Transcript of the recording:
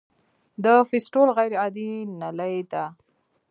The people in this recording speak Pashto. د فیستول غیر عادي نلۍ ده.